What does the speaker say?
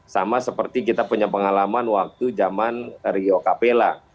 sama seperti kita punya pengalaman waktu zaman rio capella